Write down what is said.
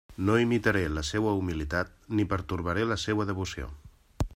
No imitaré la seua humilitat ni pertorbaré la seua devoció.